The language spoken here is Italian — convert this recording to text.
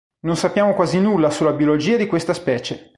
Non sappiamo quasi nulla sulla biologia di questa specie.